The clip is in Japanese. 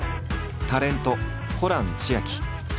タレントホラン千秋。